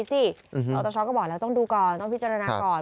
สตชก็บอกแล้วต้องดูก่อนต้องพิจารณาก่อน